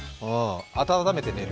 温めて寝る。